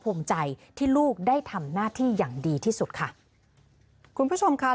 ภูมิใจที่ลูกได้ทำหน้าที่อย่างดีที่สุดค่ะคุณผู้ชมค่ะ